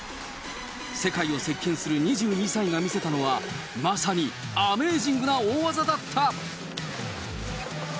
世界を席巻する２２歳が見せたのは、まさにアメージングな大技だった。